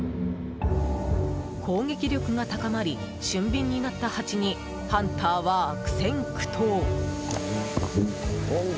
攻撃力が高まり俊敏になったハチにハンターは悪戦苦闘。